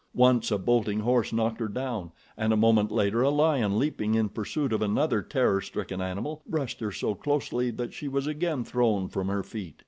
Once a bolting horse knocked her down, and a moment later a lion, leaping in pursuit of another terror stricken animal, brushed her so closely that she was again thrown from her feet.